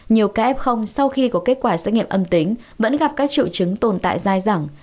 nhiều ca f sau khi có kết quả xét nghiệm âm tính vẫn gặp các triệu chứng tồn tại dài dẳng